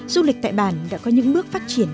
du lịch tại bản đã có những bước phát triển